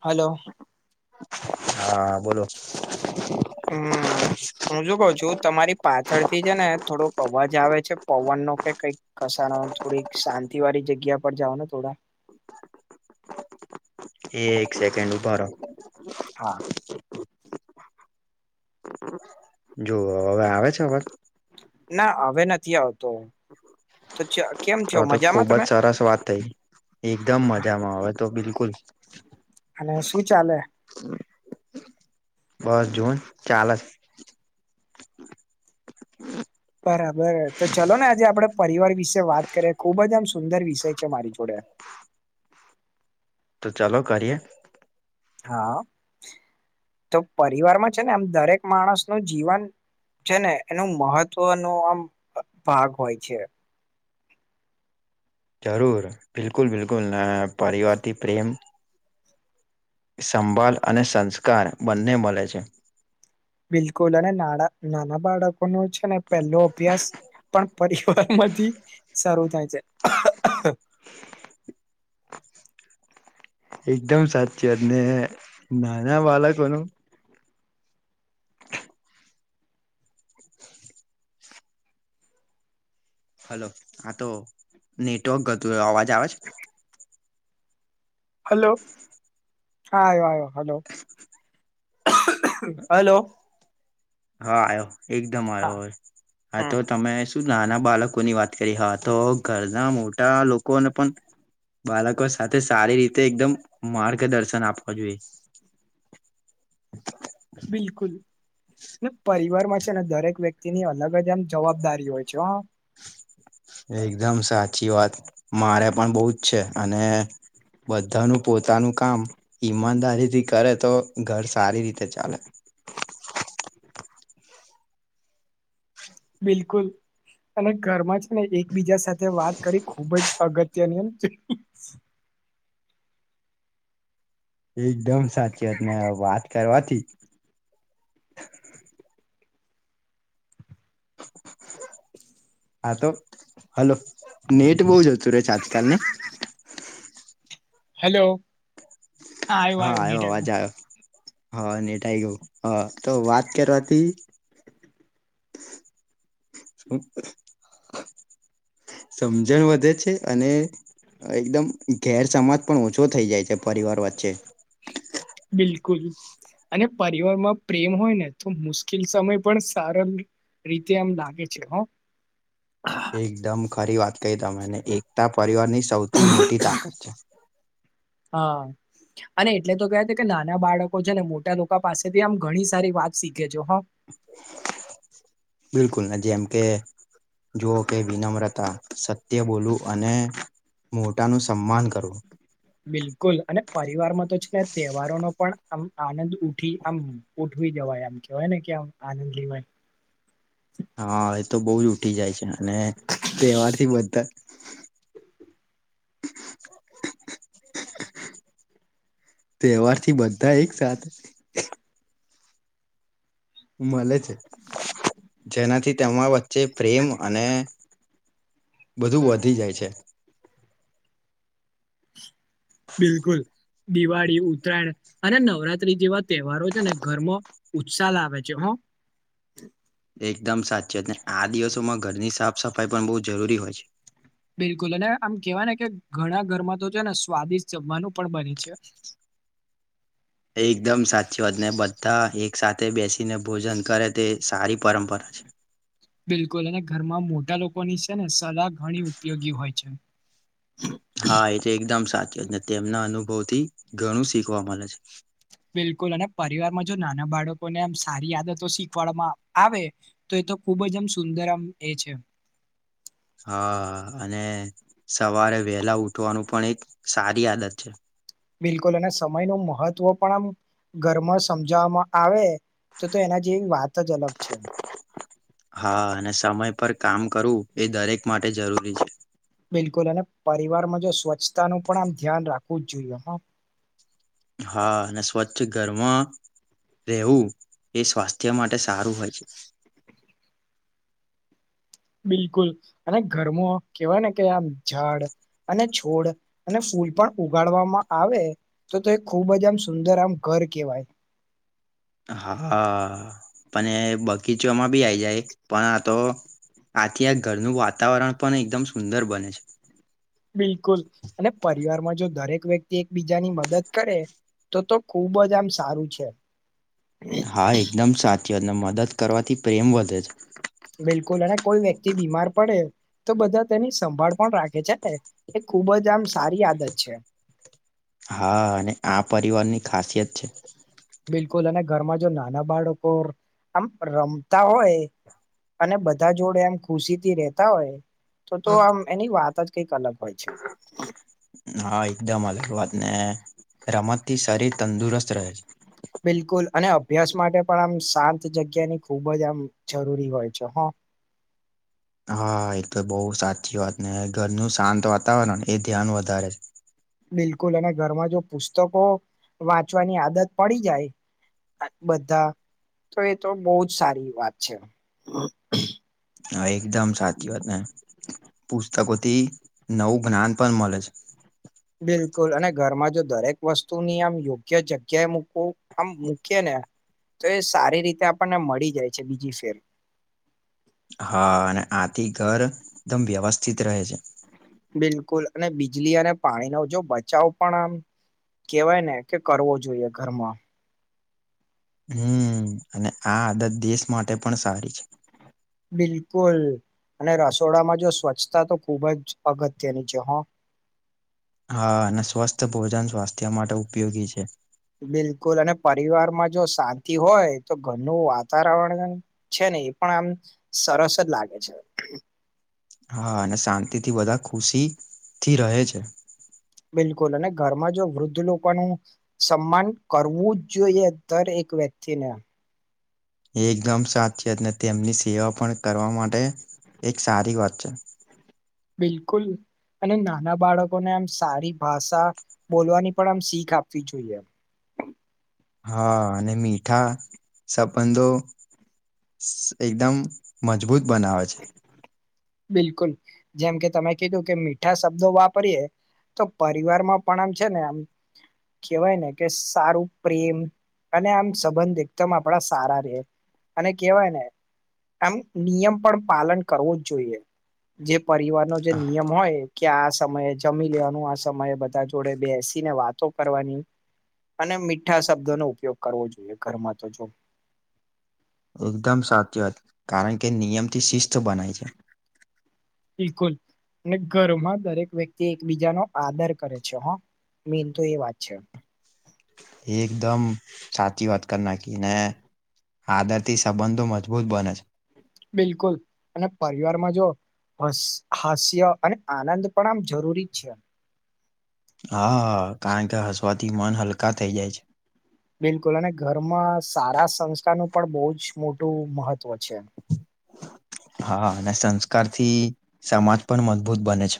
Hello. હા બોલો. હમ્મ હુ છું કઉ છુ. તમારી પાછળથી છે ને થોડોક અવાજ આવે છે પવન નો કે કંઈક કસાનો થોડીક સા થી વાળી જગ્યા પર જાઓ ને થોડા. એક સેકન્ડ ઉભારો. હા. જો હવે આવે છે અવાજ. ના હવે નથી આવતો તો [unintelligible] ર તો મજામાં ખુબ તમે જ સરસ વાત થઈ એકદમ મજામાં આવે તો બિલકુલ અને સુું ચાલે બસ જોન ચાલેછે બરાબર તો ચલો ને આજે આપડે પરિવાર વિશે વાત કરીએ ખુબ જ આમ સુંદર વિષય છે મારી જોડે. [unintelligible] તો ચાલો કરીએ. હા તો પરિવારમાં છે ને આમ દરેક માણસ નું જીવન છે ને એનું મહત્વનો આમ ભાગ હોય છે. જરૂર બિકુલ બિલકુલ ને પરિવારથી પ્રેમ સંભળ અને સંસ્કાર બન્ને મળે છે. બિલકુલ અને નાના નાના બાળકો ન છે ને પેલો અભ્યાસ પણ પરિવાર માંથી સરું થાય છે. એકદમ સાચી અને નાના બાળકોનું હલો આ તો નેટવર્ક ગતું અવાજ આવે છે. હલો હા આયો આયો હલો હલો. હા આવ્યો એકદમ આવ્યો હા હા તો તમે શું નાના બાળકોની વાત કરી હા તો ઘરના મોટા લોકોને પણ બાળકો સાથે સારી રીતે એકદમ માર્ગદર્શન આપવા જોઈએ. બિલકુલ ને પરિવારમાં છે ને દરેક વ્યક્તિની અલગ જ એમ જવાબદારી હોય છે હ. એકદમ સાચી વાત મારે પણ બહુ જ છે અને બધાનું પોતાનું કામ ઈમાનદારીથી કરે તો ઘર સારી રીતે ચાલે. [inaudible] બિલકુલ. અને ઘરમાં જ એકબીજા સાથે વાત કરી ખુબ જ અગત્યની છે. એકદમ સાચીવાત અને વાત કરવાથી [inaudible] હા તો હલો નેટ બહુ જતું રહેે છે આજકાલને. હેલો હા આવ્યું હા આવ્યું આવ્યો નીટ આવ અવાજ આવ્યો હા નેટ આઈ ગયો હ તો વાત કરવાથી શું [unintelligible] [inaudible] સમજણ વધે છે અને એકદમ ઘેર સમાજ પણ ઓછો થઈ જાય છે પરિવાર વચ્ચે બિલકુલ અને પરિવારમાં પ્રેમ હોય ને તો મુશ્કેલ સમય પણ સારી રીતે આમ લાગે છે હ એકદમ ખરી વાત કહી તમે એકતા પરિવારની સૌથી મોટી તાકાત છે હા અને એટલે તો કહેવાય કે નાના બાળકો છે ને મોટા લોકો પાસેથી આમ ઘણી સારી વાત શીખે છે હો. [inaudible] બિલકુલ ને જેમ કે જુઓ કે વિનમ્રતા સત્ય બોલવું અને મોટાનું સન્માન કરો. બિલકુલ અને પરિવારમાં તો છે તહેવારો નો પણ આમ આનંદ ઉઠી આમ ઉઠ જવાય આમ કેવાય ને કેમ આનંદ લેવાય. હા એ તો બહુ જ ઉઠી જાય છે અને તહેવાર થી બધા [inaudible] તહેવારથી બધા એક સાથે મળે છે જેનાથી તેમાં વચ્ચે પ્રેમ અને બધું વધી જાય છે બિલકુલ દિવાળી ઉત્તરાયણ અને નવરાત્રી જેવા તહેવારો છે ને ઘરમાં ઉત્સાહ લાવે છે હ એકદમ સાચી વાત ને આ દિવસોમાં ઘરની સાફ સફાઈ પણ બહુ જરૂરી હોય છે. બિલકુલ અને આમ કેવાય ને કે ઘણા ઘરમાં તો છે ને સ્વાદિષ્ટ જમવાનું પણ બને છે. [inaudible] એકદમ સાચી વાત ને બધા એક સાથે બેસીને ભોજન કરે તે સારી પરંપરા છે. બિલકુલ અને ઘરમાં મોટા લોકોની છે ને સલાહ ઘણી ઉપયોગી હોય છે. હા એ તો એકદમ સાચું છે ને તેમના અનુભવ થી ઘણું શીખવા મળે છે. બિલકુલ અને પરિવારમાં જો નાના બાળકોને એમ સારી આદતો શીખવાડવામાં આવે તો તો ખુબ જ આમ સુંદર આમ એ છે હા અને સવારે વહેલા ઉઠવાનું પણ એક સારી આદત છે. બિલકુલ અને સમય નો મહત્વ પણ આમ ઘરમાં સમજાવવામાં આવે તો તો એના જેવી વાત જ અલગ છે હા અને સમય પર કામ કરવું એ દરેક માટે જરૂરી છે. બિલકુલ અને પરિવારમાં જો સ્વચ્છતા નુ પણ આમ ધ્યાન રાખવું જ જોઈએ. હા અને સ્વચ્છ ઘરમાં રહેવું એ સ્વાસ્થ્ય માટે સારું હોય છે. [inaudible] બિલકુલ અને ઘરમો કેવાય ને કે આમ ઝાડ અને છોડ અને ફૂલ પણ ઉગાડવામાં આવે તો એ ખૂબ જ આમ સુંદર આમ ધ ર કેવાય. હા અને બગીચામાં બી આઈ જાય પણ આ તો આથી આ ઘરનું વાતાવરણ પણ એકદમ સુંદર બને છે. બિલકુલ અને પરિવારમાં જો દરેક વ્યક્તિ એકબીજાની મદદ કરે. તો તો ખુબ જ આમ સારું છે. હા એકદમ સાથીઓને મદદ કરવાથી પ્રેમ વધે છે. થી, બીમાર પડે. તો બધા તેની સંભાળ પણ રાખે છે, એ ખૂબજ આમ સારી આદત છે. હા, અને આ પરિવારની ખાસિયત છે. બિલકુલ, અને ઘરમા જો નાના બાળકો આમ રમતા હોય. અને બધા જો, ડે એમ ખુશી, થી રેતા હોય. તો, તો આમ એની વાત જ કઈક અલગ, હોય છે. હા, એકદમ અલગ, વાત ને રમત થી શરીર તંદુરસ્ત રહે છે. [inaudible] બિલકુલ, અને અભ્યાસ માટે પણ આમ શાંત જગ્યાની ખૂબજ આમ જરૂરી હોય છે. [inaudible] હા, એક તો બહુ સાચી વાત ને ઘરનું શાંત વાતાવરણ એ ધ્યાન વધારે. બિલકુલ, અને ઘરમા જો પુસ્તકો વાંચવાની આદત પડી જાય. બધા તો એ તો બહજ સારી વાત છે. હા, એકદમ સાચી વાત ને પુસ્તકોથી નવુ જ્ઞાન પણ મળે છે. બિલકુલ, અને ઘરમા જો દરેક વસ્તુની આમ યોગ્ય જગ્યાએ મૂકવું આમ મૂકી ને તો એ સારી રીતે આપણને મળી જાય છે, બીજી ફેર હા, અને આથી ઘર એકદમ વ્યવસ્થિત રહે છે. બિલકુલ અને બીજલી અને પાણીનો જો બચાવ પણ આમ કેવાય ને, કે કરવો જોઈએ ઘરમાં હમ, અને આ આદત દેશ માટે પણ સારી છે. બિલકુલ. અને રસોડામા જો સ્વચ્છતા તો ખૂબ જ અગત્યની છે હ. હા, અને સ્વસ્થ, ભોજન સ્વાસ્થ્ય માટે ઉપયોગી છે. બિલકુલ અને પરિવારમા જો શાંતિ હોય, તો ઘરનું વાતાવરણ છે. એ પણ આમ સરસ જ, લાગે છે. હા, અને શાતિથી બધા ખુશીથી રહે છે. બિલકુલ અને ઘરમા જો વૃદ્ધ લોકોનું સન્માન કરવું જ જોઈએ દ એક એક, વ્યક્તિને એકદમ સાચીત, તેમની સેવા પણ કરવા માટે એક સારી વાત છે. બિલકુલ. અને નાના બાળકોને આમ સારી ભાષા બોલવાની પણ આમ શીખ આપવી જોઈએ. [unintelligible] હા, અને મીઠા સબંધો એકદમ મજબૂત, બનાવે છે. બિલકુલ, જેમ કે તમે કીધું કે મીઠા શબ્દો વાપરીયએ તો પરિવારમાં પણ આમ છે, ને આમ કહેવાય ને કે સારું પ્રેમ અને આમ સંબંધિત, એકદમ આપડા સારા રે અને કેવાય ને. આમ નિયમ, પણ પાલન કરવુ જ જોઈએ, જે પરિવારનો જે આહ, નિયમ હોય. કે આ સમયે જમી લેવાનુ આ સમયે, બધા જોડે બેસીને વાતો કરવાની અને મીઠા, શબ્દો નો ઉપયોગ કરવો જોઈએ ઘરમાં તો જો એકદમ સાચી વાત કારણ, કે નિયમથી શિસ્ત બનાય છે. બિલકુલ અને ઘરમા દરેક વ્યક્તિ એકબીજાનો આદર કરે છે, હા મેન તો એ વાત છે. એકદમ, સાચી વાત કરના આદર થી સંબંધો, મજબૂત બને છે. બિલકુલ, અને પરિવારમાં જો હાસ્ય અને આનંદ પણ આમ જરૂરી છે. હા હ, કારણ કે હસવાથી, મન હલકા થઈ જાય છે. બિલકુલ અને ઘરમાં સારા સંસ્કારનું પણ બહુ જ મોટું મહત્ત્વ છે. હા અને સંસ્કારથી સમાજ પણ મજબૂત બને છે.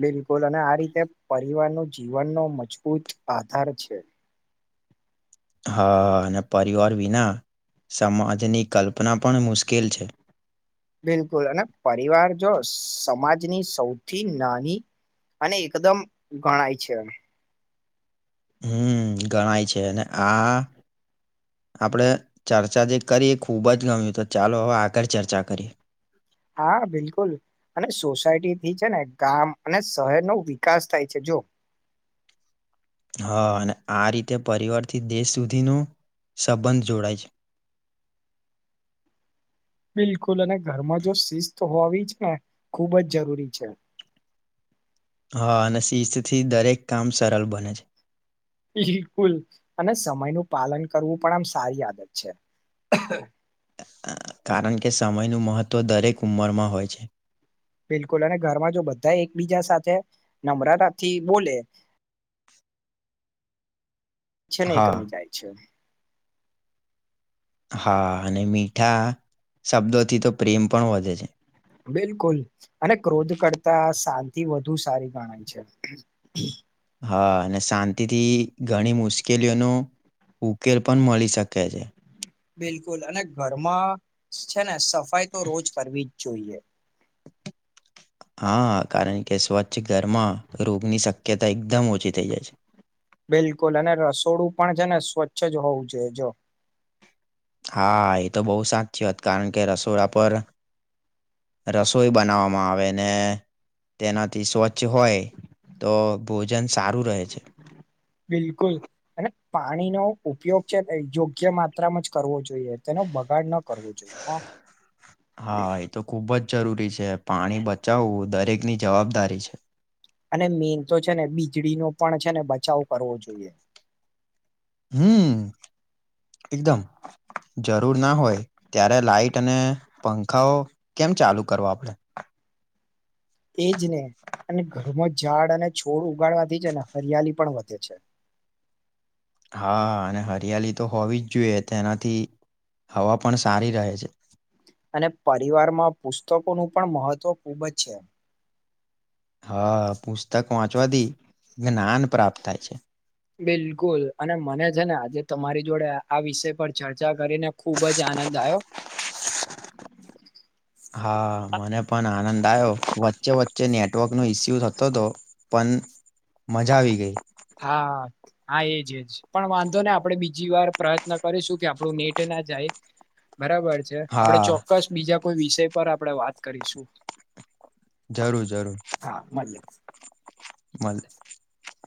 બિલકુલ અને આ રીતે પરિવાર ન જીવનનો મજબૂત આધાર છે. હા અને પરિવાર વિના સમાજની કલ્પના પણ મુશ્કેલ છે. બિલકુલ અને પરિવાર જો સમાજની સૌથી નાની અને એકદમ ગણાય છે, હમ ગણાય છે, અને આ આપણેે ચર્ચા જે કરીએ ખૂબ જ ગમ્યું તો ચાલો હવે આગળ ચર્ચા કરીએ. હા બિલકુલ અને સોસાયટીથી છે, ને ગામ અને શહેર નો વિકાસ થાય છે. જો. હા અને આ રીતે પરિવારથી દેશ સુધીનો સંબંધ જોડાય છે. [unintelligible] [inaudible] બિલકુલ અને ઘરમાં જો શિસ્ત હોવી છે, ને ખૂબ જ જરૂરી છે. [unintelligible] [inaudible] હા અને શિષ્ય થી દરેક કામ સરળ બને છે. બિલકુલ અને સમયનું પાલન કરવું પણ આમ સારી આદત છે. હ [inaudible] અ, કારણ કે સમયનું મહત્ત્વ દરેક ઉંમરમાં હોય છે. બિલકુલ અને ઘરમાં જો બધા એકબીજા સાથે નમ્રતાથી બોલે. છે નહી એ ક ન હા જાય છે. હા અને મીઠા શબ્દોથી તો પ્રેમ પણ વધે છે. બિલકુલ અને ક્રોધ કરતા શાંતિ વધુ સારી ગણાય છે. હ અને શાંતિથી ઘણી મુશ્કેલીઓનું ઉકેલ પણ મળી શકે છે. બિલકુલ અને ઘરમાં છે, ને સફાઈ તો રોજ કરવી જ જોઈએ. [unintelligible] [inaudible] હા કારણ કે સ્વચ્છ ઘરમાં રોગની શક્યતા એકદમ ઓછી થઈ જાય છે. બિલકુલ અને રસોડું પણ છે, ને સ્વચ્છ જ હોવું જોઈએ. જો હા એ તો બહુ સાચીત કારણ કે રસોડા પર રસોઈ બનાવવામાં આવે ને તેનાથી સ્વચ્છ હોય તો ભોજન સારું રહે છે. બિલકુલ અને પાણીનો ઉપયોગ છે, યોગ્ય માત્રામાં જ કરવો જોઈએ તેનો બગાડ નો થાય. હા એ તો ખુબ જ જરૂરી છે, પાણી બચાવવું દરેકની જવાબદારી છે. અને મેન તો છે, ને વીજળીનો પણ છે, ને બચાવ કરવો જોઈએ. હમ્મ એકદમ જરૂર ના હોય. ત્યારે લાાઈટ અને પંખાઓ કેમ ચાલુ કરવો આપણેે? એજ ને. અને ઘરમાં ઝાડ અને છોડ ઉગાડવાથી જ ને હરિયાલી પણ વધે છે. હા અને હરિયાલી તો હોવી જ જોઈએ. તેનાથી હવા પણ સારી રહે છે. અને પરિવારમાં પુસ્તકોનું પણ મહત્વ ખૂબ જ છે. હા પુસ્તક વાંચવાથી જ્ઞાન પ્રાપ્ત થાય છે. બિલકુલ અને મને છે. ને આજે તમારી જોડે આ વિષય પર ચર્ચા કરીને ખુબ જ આનંદ આવ્યો હા મને પણ આનંદ આવ્યો. વચ્ચે-વચ્ચે નેટવર્કનો ઇસ્યુ થતો હતો પણ મજા આવી ગઈ. હા હા એજએજ પણ વાંધો ને આપડે બીજ જી વાર પ્રયત્ન કરીશું કે આપડું નેટ ના જાય બરાબર છે. આપડે હા ચોક્કસ બીજા કોઈ વિષય પર આપણે વાત કરીશું જરૂર, જરૂર, હા મળએ [unintelligible]